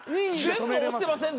全部押してません？